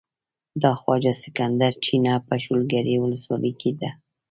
د خواجه سکندر چينه په شولګرې ولسوالۍ کې ده.